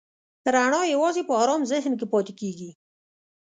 رڼا یواځې په آرام ذهن کې پاتې کېږي.